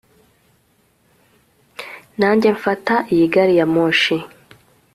Nanjye mfata iyi gari ya moshi